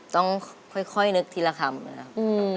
ต้องค่อยนึกทีละคำนะครับ